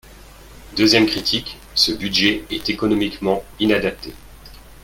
Deuxième critique, ce budget est économiquement inadapté.